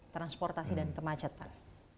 transportasi dan kemacetan